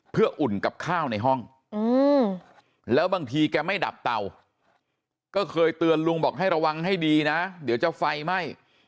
เพื่ออุ่นกับข้าวในห้องแล้วบางทีแกไม่ดับเตาก็เคยเตือนลุงบอกให้ระวังให้ดีนะเดี๋ยวจะไฟไหม้